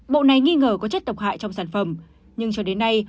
bộ này nghi ngờ có chất độc hại trong sản phẩm nhưng cho đến nay